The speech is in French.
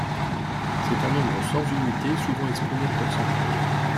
C'est un nombre sans unité, souvent exprimé en %.